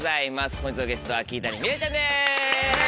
本日のゲストは桐谷美玲ちゃんです。